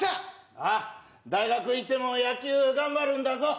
ああ、大学へ行っても野球頑張るんだぞ。